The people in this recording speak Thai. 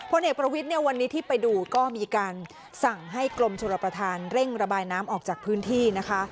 เอกประวิทย์เนี่ยวันนี้ที่ไปดูก็มีการสั่งให้กรมชลประธานเร่งระบายน้ำออกจากพื้นที่นะคะ